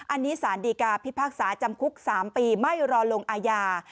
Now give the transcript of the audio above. อันนี้สารดีกาพิพากษาจำคุก๓ปีไม่รอลงอาญา